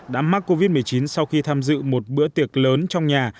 đã mắc covid một mươi chín sau khi tham dự một bữa tiệc lớn trong nhà